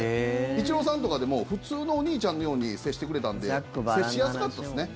イチローさんとかでも普通のお兄ちゃんのように接してくれたので接しやすかったですね。